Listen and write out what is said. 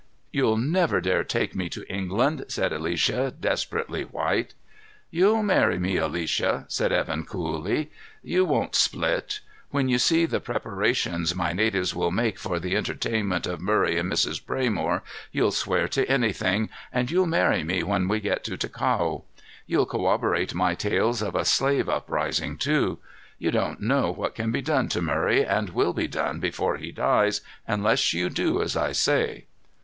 "You'll never dare take me to England," said Alicia, desperately white. "You'll marry me, Alicia," said Evan coolly. "You won't split. When you see the preparations my natives will make for the entertainment of Murray and Mrs. Braymore, you'll swear to anything, and you'll marry me when we get to Ticao. You'll corroborate my tales of a slave uprising, too. You don't know what can be done to Murray, and will be done before he dies, unless you do as I say."